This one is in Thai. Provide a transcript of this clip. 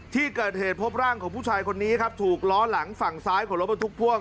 ที่เกิดเหตุพบร่างของผู้ชายคนนี้ครับถูกล้อหลังฝั่งซ้ายของรถบรรทุกพ่วง